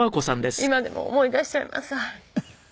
今でも思い出しちゃいます。